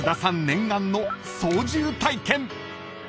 念願の操縦体験］